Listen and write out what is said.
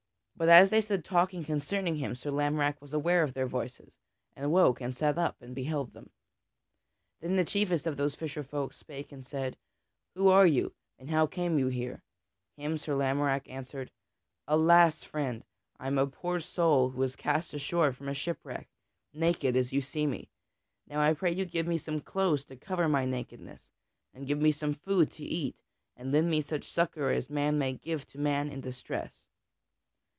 But as they stood talking concerning him, Sir Lamorack was aware of their voices and woke and sat up and beheld them. Then the chiefest of those fisher folk spake and said, "Who are you, and how came you here?" Him Sir Lamorack answered: "Alas! friend! I am a poor soul who was cast ashore from a shipwreck, naked as you see me. Now I pray you, give me some clothes to cover my nakedness, and give me some food to eat, and lend me such succor as man may give to man in distress."